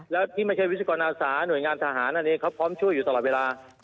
แล้วที่ไม่ใช่วิศกรอาสาหน่วยงานทหารนั่นเองเขาพร้อมช่วยอยู่ตลอดเวลา